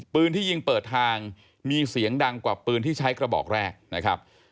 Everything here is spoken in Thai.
ปืนที่ยิงเปิดทางมีเสียงดังกว่าปืนที่ใช้กระบอกแรกนะครับ